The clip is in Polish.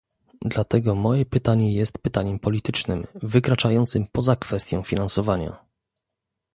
Dlatego moje pytanie jest pytaniem politycznym, wykraczającym poza kwestię finansowania